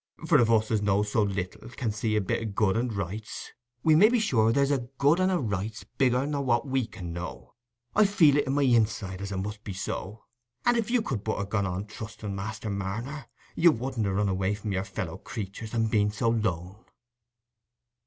For if us as knows so little can see a bit o' good and rights, we may be sure as there's a good and a rights bigger nor what we can know—I feel it i' my own inside as it must be so. And if you could but ha' gone on trustening, Master Marner, you wouldn't ha' run away from your fellow creaturs and been so lone."